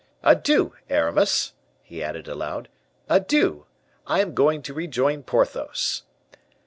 Adieu, Aramis," he added aloud, "adieu; I am going to rejoin Porthos."